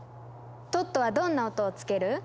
トットはどんな音をつける？